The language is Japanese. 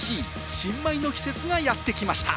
新米の季節がやってきました。